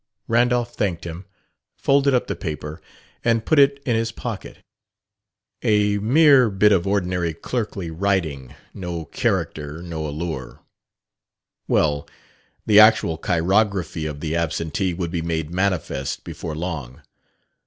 Randolph thanked him, folded up the paper, and put it in his pocket. A mere bit of ordinary clerkly writing; no character, no allure. Well, the actual chirography of the absentee would be made manifest before long.